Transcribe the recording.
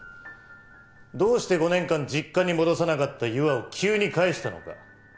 どうして５年間実家に戻さなかった優愛を急に帰したのか。